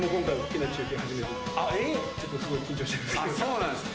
そうなんですか？